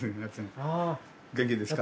元気ですか？